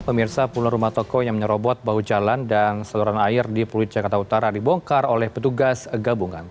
pemirsa pulau rumah toko yang menyerobot bahu jalan dan saluran air di pulut jakarta utara dibongkar oleh petugas gabungan